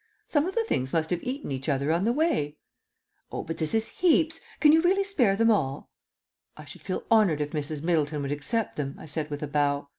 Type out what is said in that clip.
Some of the things must have eaten each other on the way." "Oh, but this is heaps. Can you really spare them all?" "I should feel honoured if Mrs. Middleton would accept them," I said with a bow.